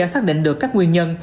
khi đã xác định được các nguyên nhân